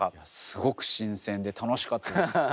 すごく新鮮で楽しかったです。